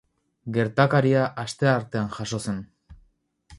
Gertakaria asteartean jazo zen.